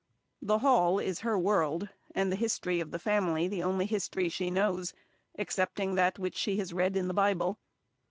The Hall is her world, and the history of the family the only history she knows, excepting that which she has read in the Bible.